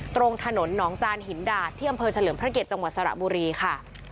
ตรงถนนหนองจานหินดาดที่อำเภอเฉลิมพระเกียรติจังหวัดสระบุรีค่ะ